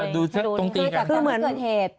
ดูแค่นี้เดียวอีกค่ะคิดเห็นอะไรขึ้นเกินเพิ่มเหตุ